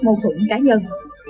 mâu thuẫn cá nhân